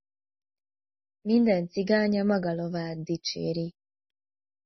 Minden cigány a maga lovát dicséri.